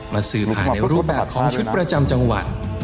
สืบหาในรูปแบบของชุดประจำจังหวัด